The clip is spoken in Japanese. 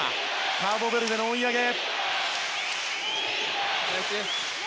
カーボベルデの追い上げ。